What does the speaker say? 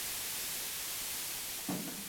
前母秦氏。